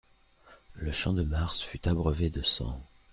Le Champ-de-Mars fut abreuvé de sang.